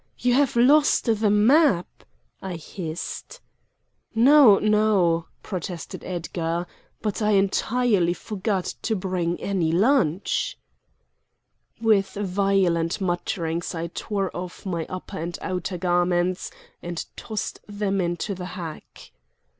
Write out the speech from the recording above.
"You have lost the map!" I hissed. "No, no," protested Edgar; "but I entirely forgot to bring any lunch!" With violent mutterings I tore off my upper and outer garments and tossed them into the hack.